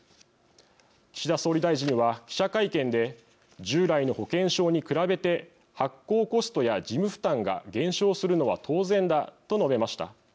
岸田総理大臣は、記者会見で「従来の保険証に比べて発行コストや事務負担が減少するのは当然だ」と述べました。